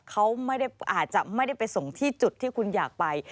เขาอาจจะไม่ได้ไปส่งที่จุดที่คุณอยากไป